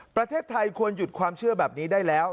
ประเทศไทยควรหยุดความเชื่อแบบนี้ได้แล้ว